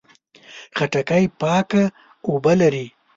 خټکی پاکه اوبه لري.